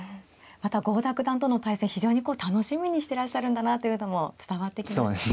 また郷田九段との対戦非常に楽しみにしてらっしゃるんだなというのも伝わってきましたね。